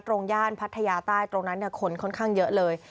ย่านพัทยาใต้ตรงนั้นคนค่อนข้างเยอะเลย